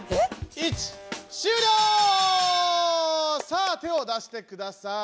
さあ手を出してください。